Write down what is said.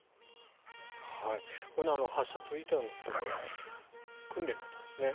これ発射が続いていたんですが訓練だったんですね。